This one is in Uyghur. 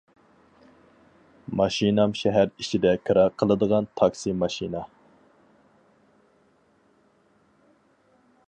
ماشىنام شەھەر ئىچىدە كىرا قىلىدىغان تاكسى ماشىنا.